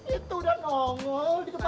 itu udah nongol di depan kita